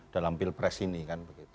dalam pil pres ini kan